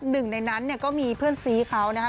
หนึ่งในนั้นเนี่ยก็มีเพื่อนซีเขานะคะ